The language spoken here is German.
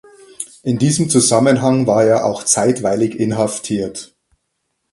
In diesem Zusammenhang war er auch zeitweilig inhaftiert.